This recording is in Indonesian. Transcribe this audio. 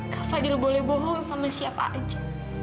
kak faidul boleh bohong sama siapa aja